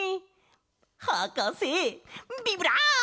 はかせビブラーボ！